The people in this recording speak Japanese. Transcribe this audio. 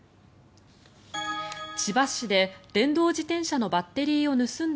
千葉市で電動自転車のバッテリーを盗んだ